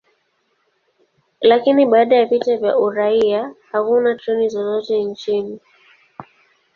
Lakini baada ya vita vya uraia, hakuna treni zozote nchini.